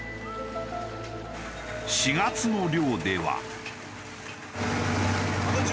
４月の漁では。